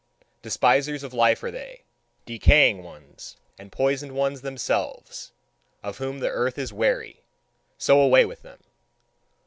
Despisers of life are they, decaying ones and poisoned ones themselves, of whom the earth is weary: so away with them!